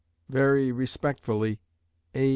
Very respectfully, A.